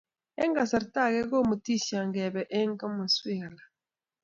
Eng kasarta age komutisiet kobete eng komaswek alak.